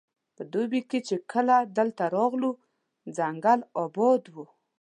په دوبي کې چې کله دلته راغلو ځنګل اباد وو.